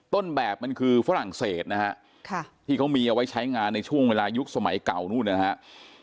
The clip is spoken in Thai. ต้นแบบมันคือฝรั่งเศสนะฮะที่เขามีเอาไว้ใช้งานในช่วงเวลายุคสมัยเก่านู่นนะครับ